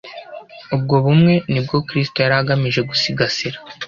Ubwo bumwe ni bwo Kristo yari agamije gusigasira